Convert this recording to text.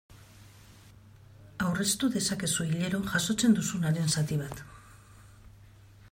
Aurreztu dezakezu hilero jasotzen duzubaren zati bat.